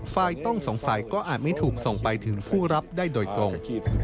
ฝ่ายต้องสงสัยก็อาจไม่ถูกส่งไปถึงผู้รับได้โดยตรง